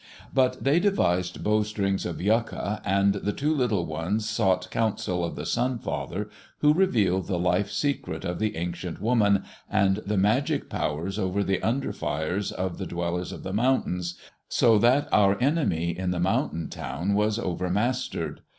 But they devised bow strings of yucca and the Two Little Ones sought counsel of the Sun father who revealed the life secret of the Ancient Woman and the magic powers over the under fires of the dwellers of the mountains, so that our enemy in the mountain town was overmastered.